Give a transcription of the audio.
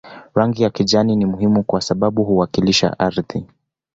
Rangi ya kijani ni muhimu kwa sababu huwakilisha ardhi